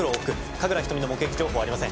神楽瞳の目撃情報はありません。